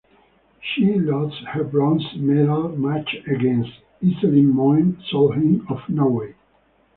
She lost her bronze medal match against Iselin Moen Solheim of Norway.